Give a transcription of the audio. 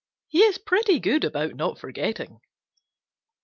He is pretty good about not forgetting.